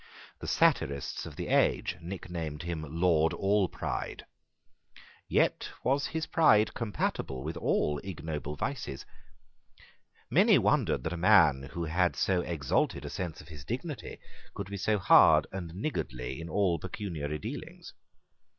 The satirists of the age nicknamed him Lord Allpride. Yet was his pride compatible with all ignoble vices. Many wondered that a man who had so exalted a sense of his dignity could be so hard and niggardly in all pecuniary dealings.